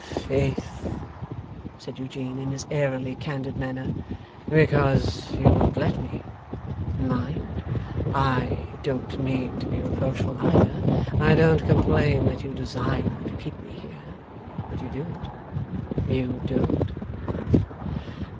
'Faith!' said Eugene in his airily candid manner. 'Because you won't let me. Mind! I don't mean to be reproachful either. I don't complain that you design to keep me here. But you do it, you do it.